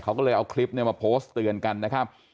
เขาก็เลยเอาคลิปเนี่ยมาโพสต์เตือนกันนะครับ